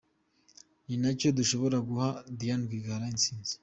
Ni nacyo gishobora guha Diane Rwigara intsinzi.